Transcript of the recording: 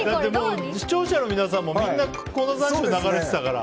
視聴者の皆さんもみんな粉山椒に流れてたから。